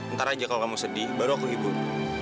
ntar aja kalau kamu sedih baru aku ikut